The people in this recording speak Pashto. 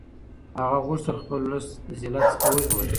هغه غوښتل خپل اولس له ذلت څخه وژغوري.